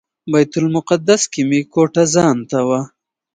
بیت المقدس کې مې کوټه ځانته وه.